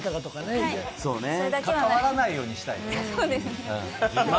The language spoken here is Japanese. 関わらないようにしたい？